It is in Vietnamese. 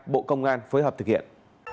bộ công an phối hợp thực hiện